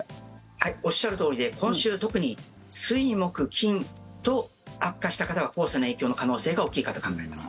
はい、おっしゃるとおりで今週、特に水木金と悪化した方は黄砂の影響の可能性が大きいかと考えます。